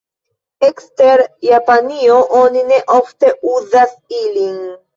Ekster Japanio, oni ne ofte uzas ilin.